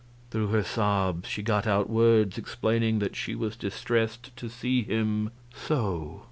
Through her sobs she got out words explaining that she was distressed to see him "so."